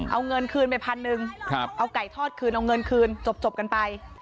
เอาเงินคืนไปพันหนึ่งเอาไก่ทอดคืนเอาเงินคืนจบกันไป